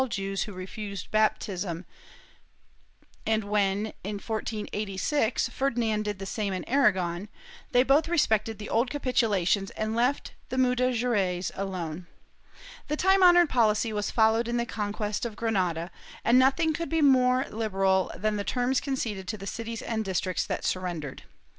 (317) 318 M0BISC08 [Book VIII when, in 1486, Ferdinand did the same in Aragon, they both respected the old capitulations and left the Mudejares alone/ The time honored policy was followed in the conquest of Granada, and nothing could be more hberal than the terms conceded to the cities and districts that surrendered.